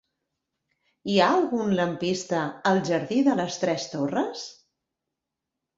Hi ha algun lampista al jardí de les Tres Torres?